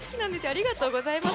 ありがとうございます。